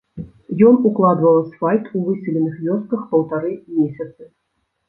Ён укладваў асфальт у выселеных вёсках паўтары месяцы.